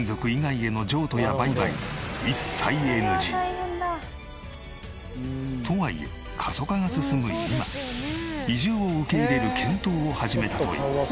半世紀にわたりとはいえ過疎化が進む今移住を受け入れる検討を始めたという。